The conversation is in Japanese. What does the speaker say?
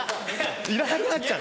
いらなくなっちゃう！